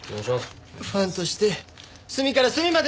ファンとして隅から隅まで調べます！